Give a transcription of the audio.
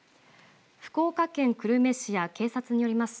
福岡県久留米市や警察によります